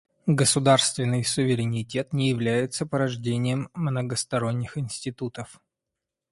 Государственный суверенитет не является порождением многосторонних институтов.